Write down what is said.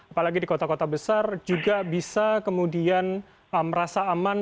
apalagi di kota kota besar juga bisa kemudian merasa aman